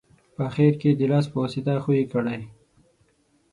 په اخیر کې یې د لاس په واسطه ښوي کړئ.